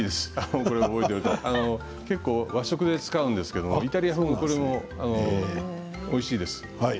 結構、和食で使うんですけれどイタリア風もおいしいですよ。